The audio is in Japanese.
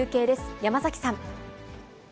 山崎さん。